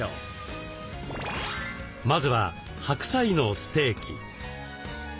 まずは白菜のステーキ。